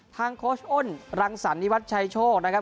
โค้ชอ้นรังสรรนิวัชชัยโชคนะครับ